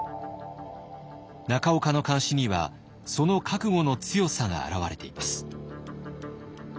中岡の漢詩にはその覚悟の強さが表れています。